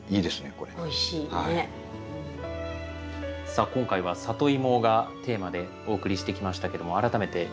さあ今回はサトイモがテーマでお送りしてきましたけども改めていかがでした？